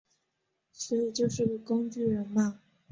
所以就是个工具人嘛